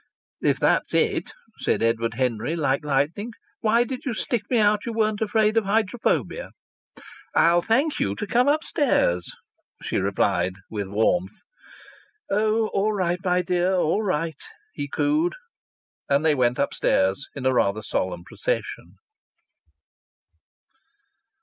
"If that's it," said Edward Henry like lightning, "why did you stick me out you weren't afraid of hydrophobia?" "I'll thank you to come upstairs," she replied with warmth. "Oh, all right, my dear! All right!" he cooed. And they went upstairs in a rather solemn procession.